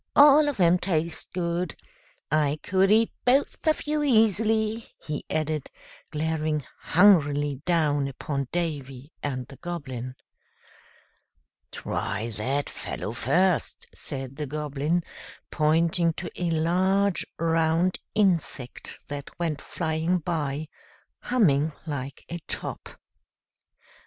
All of 'em taste good. I could eat both of you easily," he added, glaring hungrily down upon Davy and the Goblin. "Try that fellow first," said the Goblin, pointing to a large, round insect that went flying by, humming like a top.